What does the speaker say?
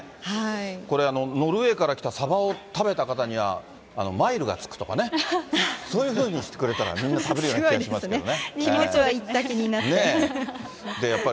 これ、ノルウェーから来たサバを食べた方には、マイルがつくとかね、そういうふうにしてくれたら、みんな食べるような気がしますけどね。